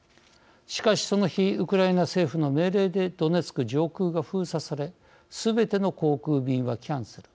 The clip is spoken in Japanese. しかし、その日ウクライナ政府の命令でドネツク上空が封鎖されすべての航空便はキャンセル。